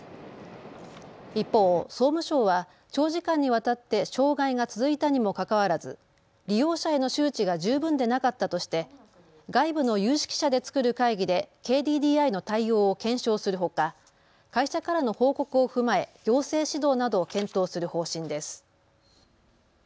一方、総務省は長時間にわたって障害が続いたにもかかわらず利用者への周知が十分でなかったとして外部の有識者で作る会議でＫＤＤＩの対応を検証するほか会社からの報告を踏まえ行政指導などを検討する方針です。